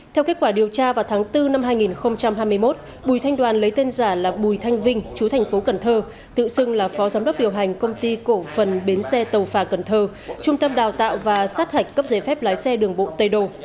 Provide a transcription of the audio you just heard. theo kết quả điều tra vào tháng bốn năm hai nghìn hai mươi một bùi thanh đoàn lấy tên giả là bùi thanh vinh chú thành phố cần thơ tự xưng là phó giám đốc điều hành công ty cổ phần bến xe tàu phà cần thơ trung tâm đào tạo và sát hạch cấp giấy phép lái xe đường bộ tây đồ